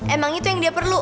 emang itu yang dia perlu